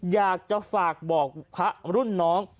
อยากจะฝากบอกพระรุ่นน้อง